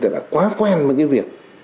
đã quá quen với cái việc